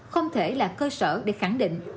không thể là cơ sở để khẳng định